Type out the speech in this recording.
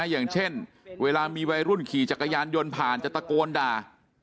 อย่างเช่นเวลามีวัยรุ่นขี่จักรยานยนต์ผ่านจะตะโกนด่า